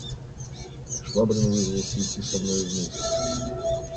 Швабрин вызвался идти со мною вместе.